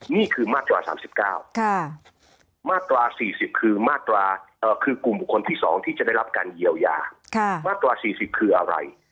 นี่คือมาตรา๓๙มาตรา๔๐คือกลุ่มคนที่สองที่จะได้รับการเยียวยามาตรา๔๐คืออะไร